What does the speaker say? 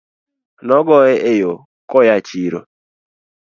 Nogoye e yoo koyaa chiro